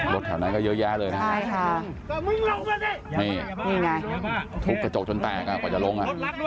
บดแถวนั้นก็เยอะแยะเลยนะครับนี่ไงทุกกระจกจนแตกกว่าจะลง